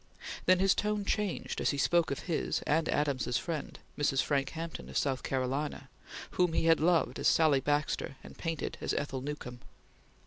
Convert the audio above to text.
Then his tone changed as he spoke of his and Adams's friend, Mrs. Frank Hampton, of South Carolina, whom he had loved as Sally Baxter and painted as Ethel Newcome.